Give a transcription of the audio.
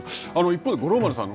一方で五郎丸さん